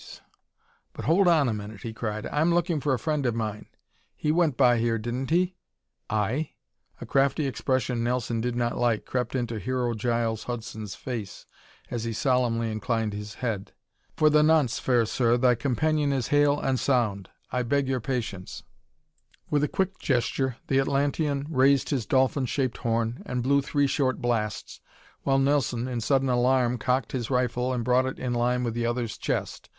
's. But hold on a minute," he cried. "I'm looking for a friend of mine. He went by here, didn't he?" "Aye." A crafty expression Nelson did not like crept into Hero Giles Hudson's face as he solemnly inclined his head. "For the nonce, fair sir, thy companion is hale and sound. I beg your patience." With a quick gesture the Atlantean raised his dolphin shaped horn and blew three short blasts while Nelson, in sudden alarm, cocked his rifle and brought it in line with the other's chest.